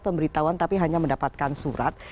pemberitahuan tapi hanya mendapatkan surat